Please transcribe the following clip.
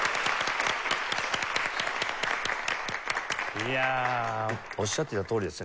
いやおっしゃっていたとおりですよね。